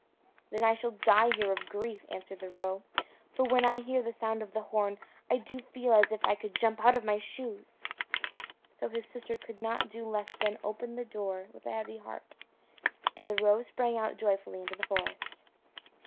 "Then I shall die here of grief," answered the roe: "for when I hear the sound of the horn, I do feel as if I could jump out of my shoes." So his sister could not do less than open the door with a heavy heart, and the roe sprang out joyfully into the forest.